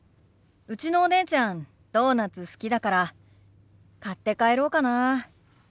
うちのお姉ちゃんドーナツ好きだから買って帰ろうかな。